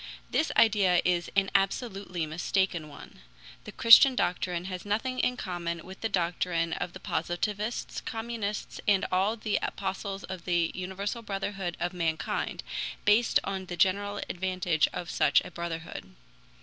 This idea is an absolutely mistaken one. The Christian doctrine has nothing in common with the doctrine of the Positivists, Communists, and all the apostles of the universal brotherhood of mankind, based on the general advantage of such a brotherhood.